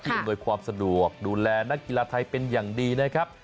อำนวยความสะดวกดูแลนักกีฬาไทยเป็นอย่างดีนะครับ